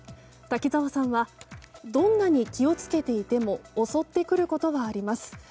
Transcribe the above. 滝沢さんはどんなに気を付けていても襲ってくることはあります。